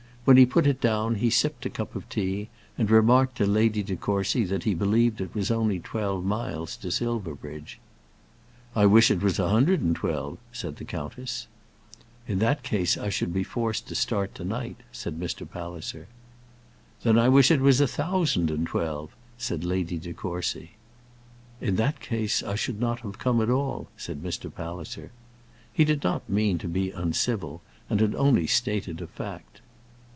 When he put it down he sipped a cup of tea, and remarked to Lady De Courcy that he believed it was only twelve miles to Silverbridge. "I wish it was a hundred and twelve," said the countess. "In that case I should be forced to start to night," said Mr. Palliser. "Then I wish it was a thousand and twelve," said Lady De Courcy. "In that case I should not have come at all," said Mr. Palliser. He did not mean to be uncivil, and had only stated a fact.